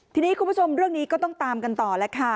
ทีนี้คุณผู้ชมเรื่องนี้ก็ต้องตามกันต่อแล้วค่ะ